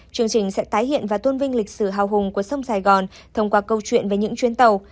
chương trình sẽ tái hiện và tôn vinh lịch sử hào hùng của sông sài gòn thông qua câu chuyện về những chuyến tàu